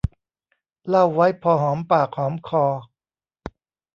เล่าไว้พอหอมปากหอมคอ